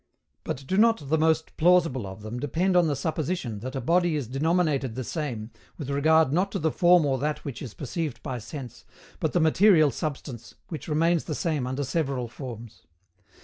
But do not the most plausible of them depend on the supposition that a body is denominated the same, with regard not to the form or that which is perceived by sense, but the material substance, which remains the same under several forms?